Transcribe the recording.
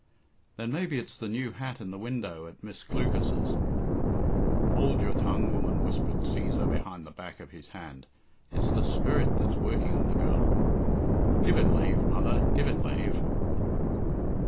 "Then maybe it's the new hat in the window at Miss Clu cas's?" "Hould your tongue, woman," whispered Cæsar behind the back of his hand. "It's the Spirit that's working on the girl. Give it lave, mother; give it lave."